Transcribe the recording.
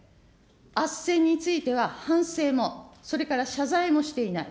あっせんについては反省も、それから謝罪もしていない。